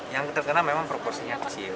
yang terkena memang proporsinya kecil